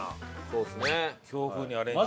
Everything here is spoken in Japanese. そうですね。